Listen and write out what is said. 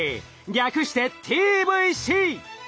略してＴＶＣ！